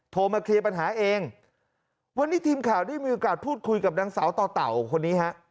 โทรมาเคลียร์ปัญหาเองวันนี้ทีมข่าวได้มีโอกาสพูดคุยกับนางสาวต่อเต่าคนนี้ฮะ